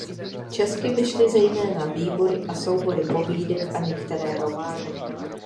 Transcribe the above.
Česky vyšly zejména výbory a soubory povídek a některé romány.